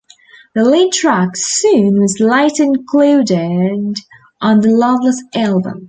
The lead track, "Soon", was later included on the "Loveless" album.